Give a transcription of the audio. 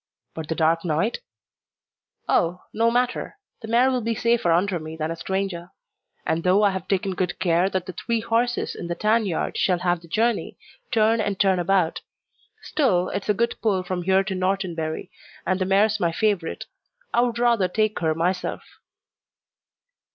"But the dark night?" "Oh, no matter; the mare will be safer under me than a stranger. And though I have taken good care that the three horses in the tan yard shall have the journey, turn and turn about; still it's a good pull from here to Norton Bury, and the mare's my favourite. I would rather take her myself."